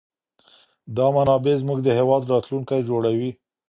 دا منابع زموږ د هېواد راتلونکی جوړوي.